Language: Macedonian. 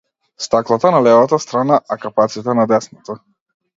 Стаклата на левата страна, а капаците на десната.